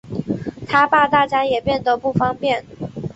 她怕大家也变得不方便